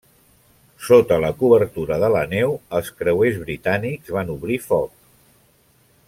Sota la cobertura de la neu, els creuers britànics van obrir foc.